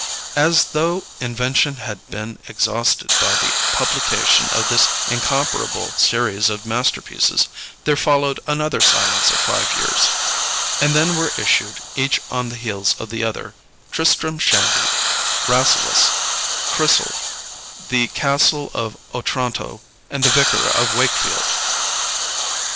As though invention had been exhausted by the publication of this incomparable series of masterpieces, there followed another silence of five years, and then were issued, each on the heels of the other, Tristram Shandy, Rasselas, Chrysal, The Castle of Otranto, and The Vicar of Wakefield.